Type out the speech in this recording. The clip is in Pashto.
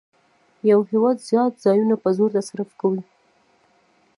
یو هېواد زیات ځایونه په زور تصرف کوي